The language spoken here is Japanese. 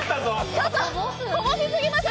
ちょっとこぼしすぎました。